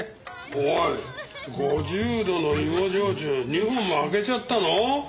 おい５０度の芋焼酎２本も空けちゃったの？